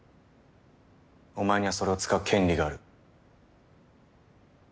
お前にはそれを使う権利がある。